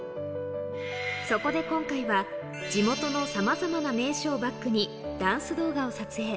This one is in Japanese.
そこで今回は、地元のさまざまな名所をバックにダンス動画を撮影。